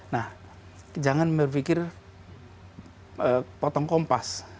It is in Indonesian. nah jangan berpikir potong kompas